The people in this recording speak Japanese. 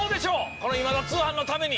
この『今田通販』のために。